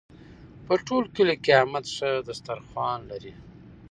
په ټول کلي کې احمد ښه دسترخوان لري.